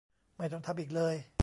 ไม่ต้องทำอีกเลย